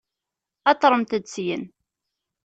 Aṭremt-d syin!